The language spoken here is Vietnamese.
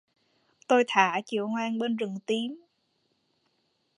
Tôi thả chiều hoang bên rừng tím